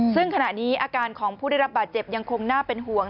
ซึ่งขณะนี้อาการของผู้ได้รับบาดเจ็บยังคงน่าเป็นห่วง